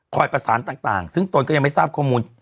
ประสานต่างซึ่งตนก็ยังไม่ทราบข้อมูล